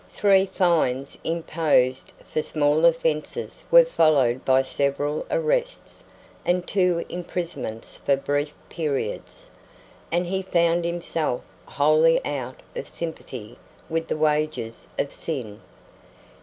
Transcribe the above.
Three fines imposed for small offenses were followed by several arrests and two imprisonments for brief periods, and he found himself wholly out of sympathy with the wages of sin.